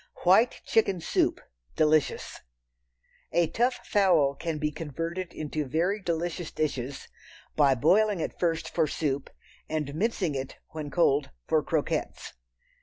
White Chicken Soup (Delicious). A tough fowl can be converted into very delicious dishes by boiling it first for soup and mincing it, when cold, for croquettes.